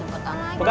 ya udah cepetan lagi